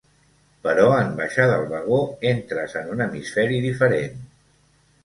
Però en baixar del vagó entres en un hemisferi diferent.